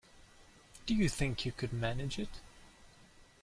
Do you think you could manage it?